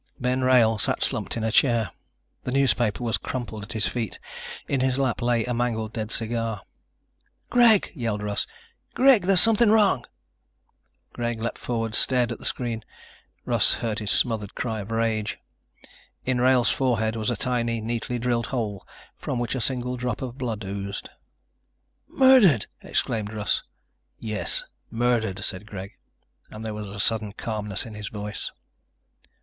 Ben Wrail sat slumped in a chair. A newspaper was crumpled at his feet. In his lap lay a mangled dead cigar. "Greg!" yelled Russ. "Greg, there's something wrong!" Greg leaped forward, stared at the screen. Russ heard his smothered cry of rage. In Wrail's forehead was a tiny, neatly drilled hole from which a single drop of blood oozed. "Murdered!" exclaimed Russ. "Yes, murdered," said Greg, and there was a sudden calmness in his voice.